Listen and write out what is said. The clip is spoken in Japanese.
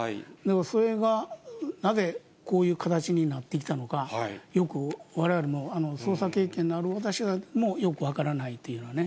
それがなぜ、こういう形になってきたのか、よくわれわれ、捜査経験のある私らでもよく分からないというようなね。